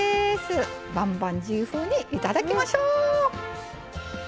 バンバンジー風に頂きましょう！